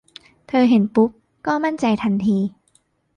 เธอเห็นปุ๊บก็มั่นใจทันที